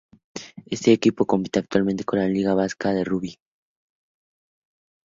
Este equipo compite actualmente en la liga vasca de rugby.